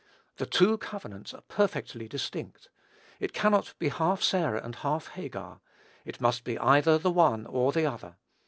The two covenants are perfectly distinct. It cannot be half Sarah and half Hagar. It must be either the one or the other.